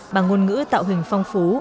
bằng ngôn ngữ tạo hình phong phú